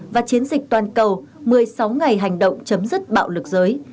và chiến dịch toàn cầu một mươi sáu ngày hành động chấm dứt bạo lực giới